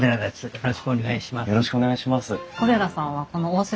よろしくお願いします。